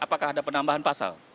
apakah ada penambahan pasal